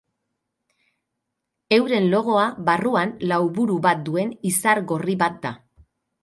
Euren logoa barruan lauburu bat duen izar gorri bat da.